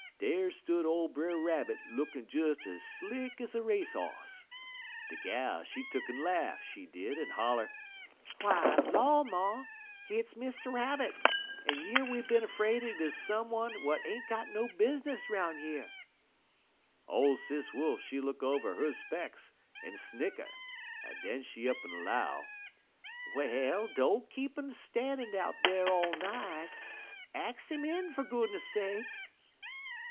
Dar stood ole Brer Rabbit lookin' des ez slick ez a race hoss. De gal, she tuck'n laff, she did, en holler: "'W'y law, maw! hit's Mr. Rabbit, en yer we bin 'fraid it 'uz some 'un w'at ain't got no business 'roun' yer!' "Ole Sis Wolf she look over 'er specks, en snicker, en den she up'n 'low: "'Well, don't keep 'im stannin' out dar all night. Ax 'im in, fer goodness sake.'